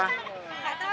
gak tau ya ikan apa